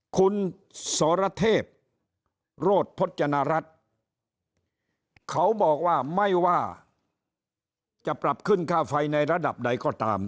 คุณสรเทพโรธพจนรัฐเขาบอกว่าไม่ว่าจะปรับขึ้นค่าไฟในระดับใดก็ตาม